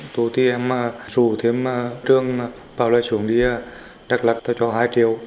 tôi thì em rủ thêm trường vào lại xuống đi đắk lóc cho hai triệu